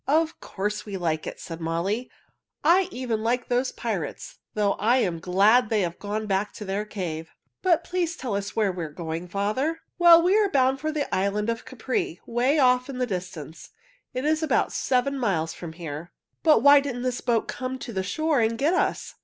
"Of course we like it," said Molly. "I even like those pirates, though I am glad they have gone back to their cave. But please tell us where we are going, father." "Well, we are bound for the island of Capri, away off in the distance. It is about seven miles from here." "But why didn't this boat come to the shore and get us?"